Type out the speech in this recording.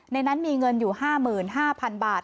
ในนั้นมีเงินอยู่๕๕๐๐๐บาท